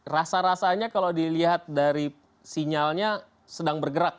rasa rasanya kalau dilihat dari sinyalnya sedang bergerak